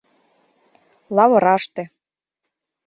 — Лавыраште.